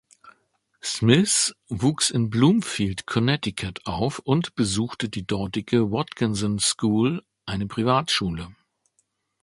Smith wuchs in Bloomfield, Connecticut auf und besuchte die dortige Watkinson School, eine Privatschule.